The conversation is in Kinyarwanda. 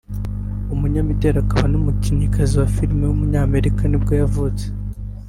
umunyamideli akaba n’umukinnyikazi wa film w’umunyamerika nibwo yavutse